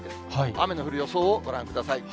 雨の降る予想をご覧ください。